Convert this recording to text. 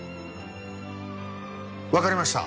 わかりました。